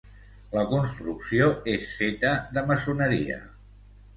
La construcció és feta de maçoneria.